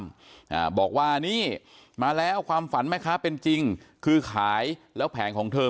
อ่าบอกว่านี่มาแล้วความฝันแม่ค้าเป็นจริงคือขายแล้วแผงของเธอ